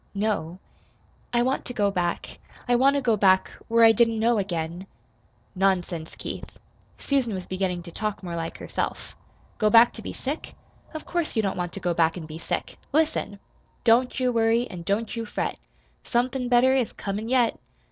"No." "I want to go back I want to go back, where I didn't know again." "Nonsense, Keith!" (Susan was beginning to talk more like herself.) "Go back to be sick? Of course you don't want to go back an' be sick! Listen! Don't you worry, an' don't you fret. Somethin' better is comin' yet.